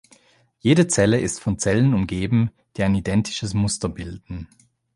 Jede Zelle ist von Zellen umgeben, die ein identisches Muster bilden.